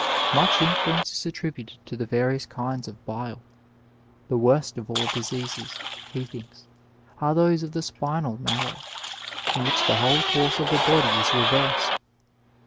Much influence is attributed to the various kinds of bile. The worst of all diseases, he thinks, are those of the spinal marrow, in which the whole course of the body is reversed.